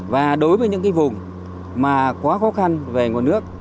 và đối với những cái vùng mà quá khó khăn về nguồn nước